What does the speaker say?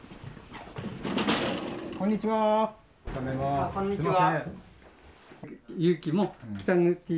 こんにちは。